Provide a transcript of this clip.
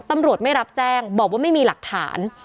ตำรวจไม่รับแจ้งบอกว่าไม่มีหลักฐาน